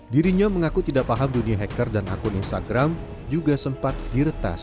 dirinya mengaku tidak paham dunia hacker dan akun instagram juga sempat diretas